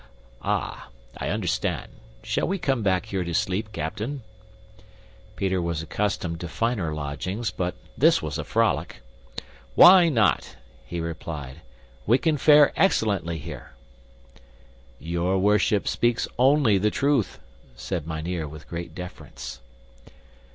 "Ah, I understand. Shall we come back here to sleep, captain?" Peter was accustomed to finer lodgings, but this was a frolic. "Why not?" he replied. "We can fare excellently here." "Your worship speaks only the truth," said mynheer with great deference.